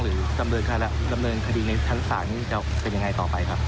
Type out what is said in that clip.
รำเมินในถังฐานจะเป็นอย่างไรต่อไปครับ